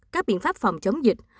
các biện pháp phòng chống dịch